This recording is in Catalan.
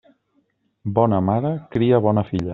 Bona mare cria bona filla.